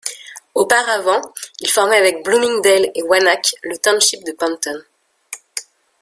Auparavant, il formait avec Bloomingdale et Wanaque le township de Pompton.